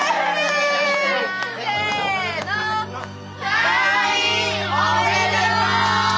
退院おめでとう！